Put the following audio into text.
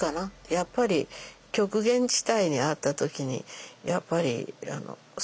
やっぱり極限地帯にあった時にやっぱりそこまでね